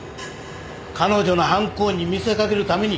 彼女の犯行に見せかけるために。